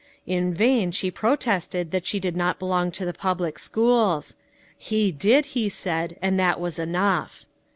In vain she protested that she did not belong to the public schools. He did, he said, and that was enough.